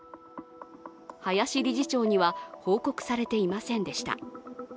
林理事長には報告されていませんでした。